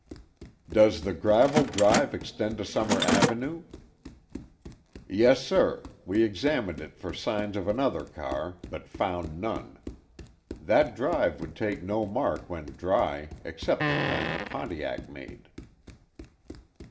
"Does the gravel drive extend to Summer Avenue?" "Yes, sir. We examined it for signs of another car, but found none. That drive would take no mark when dry except the kind the Pontiac made."